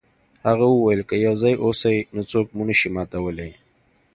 هغه وویل که یو ځای اوسئ نو څوک مو نشي ماتولی.